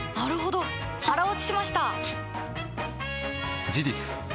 腹落ちしました！